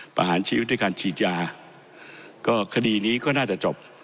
ประหารชีวิตด้วยการฉีดยาก็คดีนี้ก็น่าจะจบ